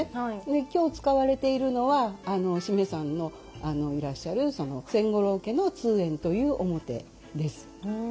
今日使われているのは七五三さんのいらっしゃる千五郎家の通圓という面です。